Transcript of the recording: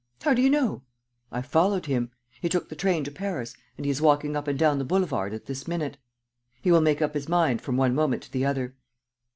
"How do you know?" "I followed him. He took the train to Paris, and he is walking up and down the boulevard at this minute. He will make up his mind from one moment to the other."